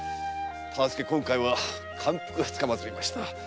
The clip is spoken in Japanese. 忠相今回は感服つかまつりました。